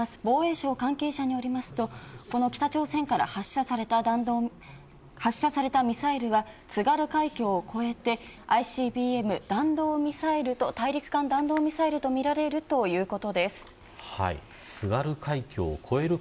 防衛省関係者によりますとこの北朝鮮から発射されたミサイルは津軽海峡を越えてＩＣＢＭ弾道ミサイルと大陸間弾道ミサイルとみられるということです。